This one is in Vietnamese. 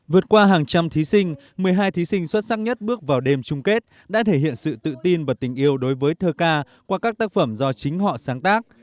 vượt qua hàng trăm thí sinh một mươi hai thí sinh xuất sắc nhất bước vào đêm chung kết đã thể hiện sự tự tin và tình yêu đối với thơ ca qua các tác phẩm do chính họ sáng tác